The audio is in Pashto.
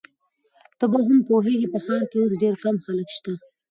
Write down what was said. ته به هم پوهیږې، په ښار کي اوس ډېر کم خلک شته.